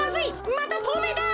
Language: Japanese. またとうめいだ。